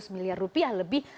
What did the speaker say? dua ratus miliar rupiah lebih